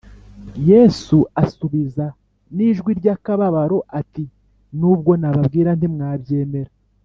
yesu asubiza n’ijwi ry’akababaro ati, “nubwo nababwira ntimwabyemera